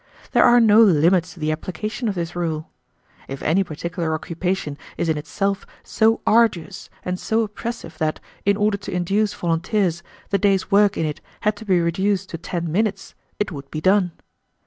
There are no limits to the application of this rule. If any particular occupation is in itself so arduous or so oppressive that, in order to induce volunteers, the day's work in it had to be reduced to ten minutes, it would be done.